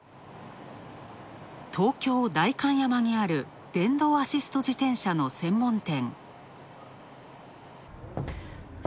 東京・代官山にある電動アシスト自転車の専門店。